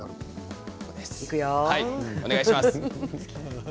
お願いします。